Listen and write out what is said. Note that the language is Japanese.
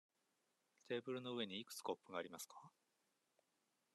テーブルの上にいくつコップがありますか。